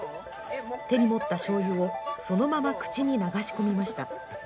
手に持ったしょうゆをそのまま口に流し込みました。